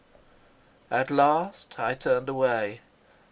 At last I turned away.